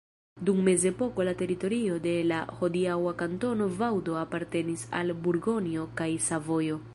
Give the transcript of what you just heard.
Dum mezepoko la teritorio de la hodiaŭa Kantono Vaŭdo apartenis al Burgonjo kaj Savojo.